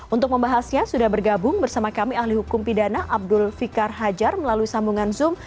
untuk membahasnya sudah bergabung bersama kami ahli hukum pidana abdul fikar hajar melalui sambungan zoom